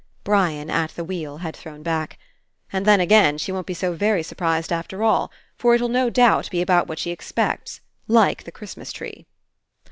Brian, at the wheel, had thrown back: "And then again, she won't be so very sur prised after all, for it'll no doubt be about what she expects. Like the Christmas tree."